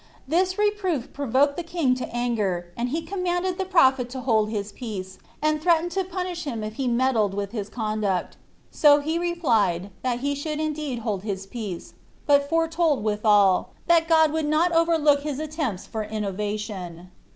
This reproof provoked the king to anger, and he commanded the prophet to hold his peace, and threatened to punish him if he meddled with his conduct. So he replied, that he should indeed hold his peace; but foretold withal, that God would not overlook his attempts for innovation.